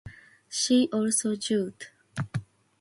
See also Jute.